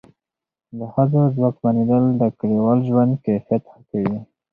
د ښځو ځواکمنېدل د کلیوال ژوند کیفیت ښه کوي.